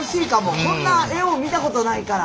こんな絵を見たことないから。